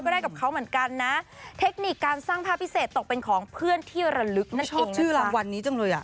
ได้กับเขาเหมือนกันนะเทคนิคการสร้างภาพพิเศษตกเป็นของเพื่อนที่ระลึกนั่นชอบชื่อรางวัลนี้จังเลยอ่ะ